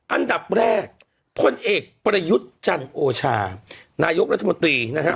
อันดับแรกพลเอกประยุทธ์จันโอชานายกรัฐมนตรีนะฮะ